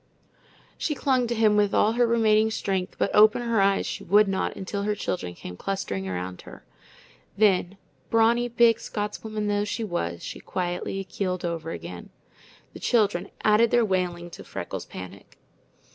She clung to him with all her remaining strength, but open her eyes she would not until her children came clustering around her. Then, brawny, big Scotswoman though she was, she quietly keeled over again. The children added their wailing to Freckles' panic.